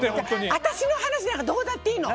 私の話なんかどうだっていいの！